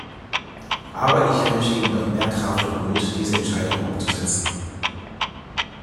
Aber ich wünsche Ihnen noch mehr Kraft und Mut, diese Entscheidungen umzusetzen.